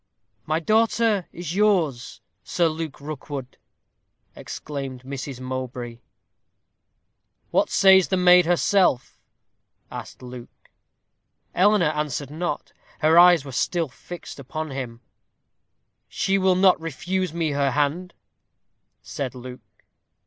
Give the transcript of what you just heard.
"My daughter is yours, Sir Luke Rookwood," exclaimed Mrs. Mowbray. "What says the maid herself?" asked Luke. Eleanor answered not. Her eyes were still fixed on him. "She will not refuse me her hand," said Luke.